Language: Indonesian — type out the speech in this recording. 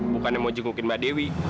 bukannya mau jengukin mbak dewi